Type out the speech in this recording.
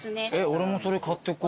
俺もそれ買ってこう。